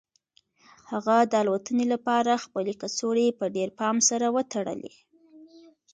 هغه د الوتنې لپاره خپلې کڅوړې په ډېر پام سره وتړلې.